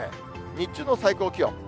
日中の最高気温。